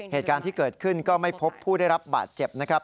เหตุการณ์ที่เกิดขึ้นก็ไม่พบผู้ได้รับบาดเจ็บนะครับ